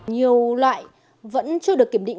nhiều loại vẫn chưa được kiểm định